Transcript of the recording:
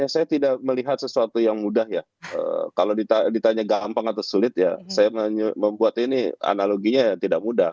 saya tidak melihat sesuatu yang mudah ya kalau ditanya gampang atau sulit ya saya membuat ini analoginya tidak mudah